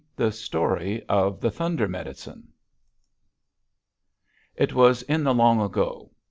THE STORY OF THE THUNDER MEDICINE "It was in the long ago.